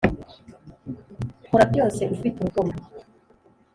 kora byose ufite urukundo